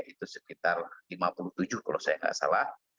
itu sekitar lima puluh tujuh kalau saya nggak salah